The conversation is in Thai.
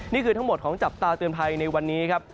นี่คือทั้งหมดของจับตาเตือนภัยในวันนี้ครับ